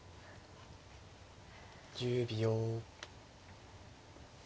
１０秒。